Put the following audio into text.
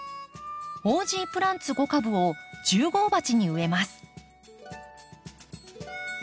オージープランツ５株を１０号鉢に植えます。